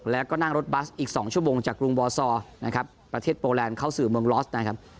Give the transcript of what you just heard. แล้วก็นั่งรถบัสอีก๒ชั่วโมงจากกรุงบอซอร์นะครับประเทศโปแลนด์เข้าสู่เมืองลอสนะครับ